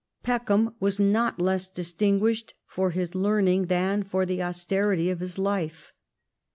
Peckham was not less distinguished for his learning than for the austerity of his life.